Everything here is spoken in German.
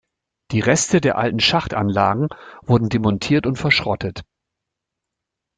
Die Reste der alten Schachtanlagen wurden demontiert und verschrottet.